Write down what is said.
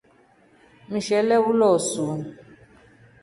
Mshele ulosu.